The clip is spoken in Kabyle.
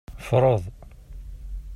Freḍ.